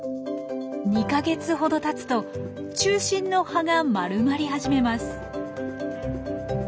２か月ほどたつと中心の葉が丸まり始めます。